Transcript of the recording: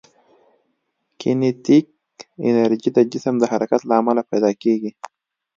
کینیتیک انرژي د جسم د حرکت له امله پیدا کېږي.